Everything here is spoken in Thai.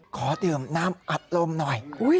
ขอดื่มน้ำอัดลมหน่อย